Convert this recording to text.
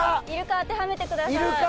いるか当てはめてください